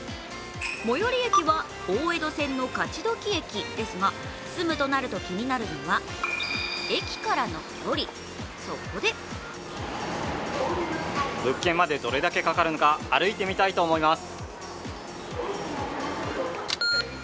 最寄り駅は大江戸線の勝どき駅ですが住むとなると気になるのは駅からの距離、そこで物件までどれだけかかるのか歩いてみたいと思います。